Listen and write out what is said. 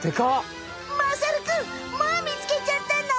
まさるくんもう見つけちゃったの？